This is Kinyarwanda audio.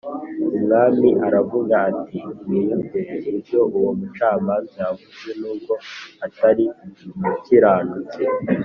Umwami aravuga ati mwiyumviye ibyo uwo mucamanza yavuze nubwo atari umukiranutsi